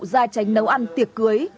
gia tranh nấu ăn tiệc cưới